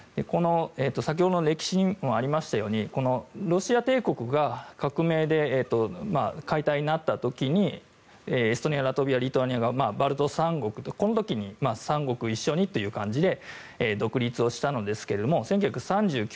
先ほどの歴史にもありましたようにロシア帝国が革命で解体になった時にエストニア、リトアニアラトビアがバルト三国この時に三国一緒にという感じで独立したんですけども１９３９年、１９４０年